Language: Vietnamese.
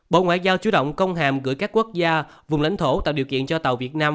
bộ ngoại giao chú động công hàm gửi các quốc gia vùng lãnh thổ tạo điều kiện cho tàu việt nam